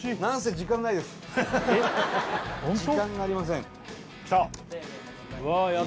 時間がありませんき